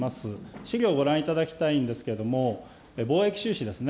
資料をご覧いただきたいんですけれども、貿易収支ですね。